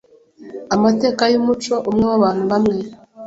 amateka yumuco umwe wabantu bamwe